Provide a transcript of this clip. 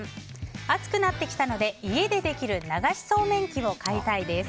暑くなってきたので家でできる流しそうめん器を買いたいです。